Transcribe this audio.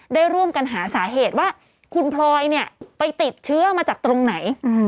ได้ร่วมกันหาสาเหตุว่าคุณพลอยเนี่ยไปติดเชื้อมาจากตรงไหน